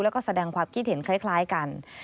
แล้วก็แสดงความคิดเห็นคล้ายกัน